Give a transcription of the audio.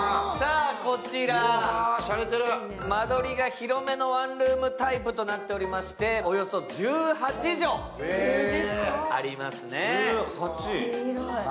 こちら、間取りが広めのワンルームタイプとなっておりまして、およそ１８畳ありますね。